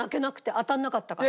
当たらなかったから。